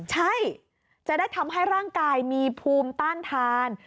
ใช่จะได้ทำให้ร่างกายมีภูมิต้านทาน